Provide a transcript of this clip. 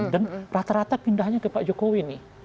dan rata rata pindahnya ke pak jokowi nih